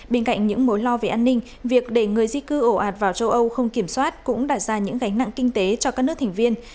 bên cạnh những mối lo về an ninh việc để người di cư ổ ạt vào châu âu không kiểm soát cũng đạt ra những gánh nặng kinh tế cho các nước thành viên